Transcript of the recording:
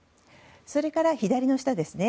それから左の下ですね。